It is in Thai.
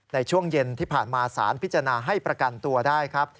ในช่วงเย็นที่ผ่านมาสารพิจารณาให้ประกันตัวได้ครับ